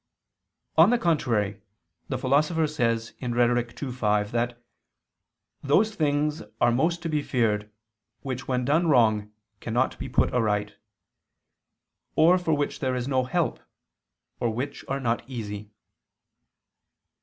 On the contrary, the Philosopher says (Rhet. ii, 5) that "those things are most to be feared which when done wrong cannot be put right ... or for which there is no help, or which are not easy."